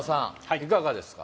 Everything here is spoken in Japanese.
いかがですか？